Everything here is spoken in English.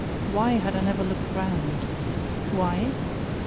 Why had I never looked round? Why?